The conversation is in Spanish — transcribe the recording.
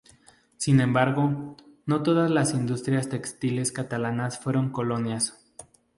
Sin embargo, no todas las industrias textiles catalanas fueron colonias.